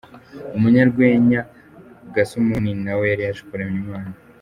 Umunyarwenya Gasumuni na we yari yaje kuramya Imana.